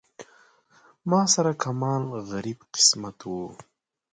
ما سره کمال غریب قسمت و.